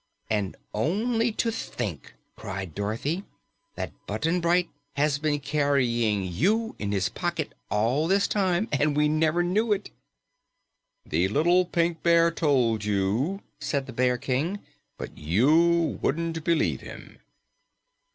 "And only to think," cried Dorothy, "that Button Bright has been carrying you in his pocket all this time, and we never knew it!" "The little Pink Bear told you," said the Bear King, "but you wouldn't believe him."